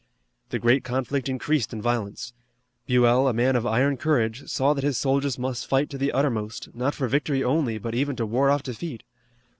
The great conflict increased in violence. Buell, a man of iron courage, saw that his soldiers must fight to the uttermost, not for victory only, but even to ward off defeat.